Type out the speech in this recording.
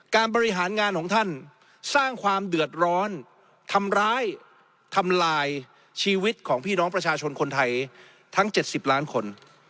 การบริหารงานของท่านสร้างความเดือดร้อนทำร้ายทำลายชีวิตของพี่น้องประชาชนคนไทยทั้ง๗๐ล้านคน